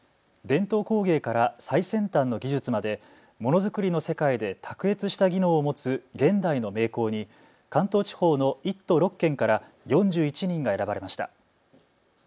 伝統工芸から最先端の技術までものづくりの世界で卓越した技能を持つ現代の名工に関東地方の１都６県から４１人が選ばれました。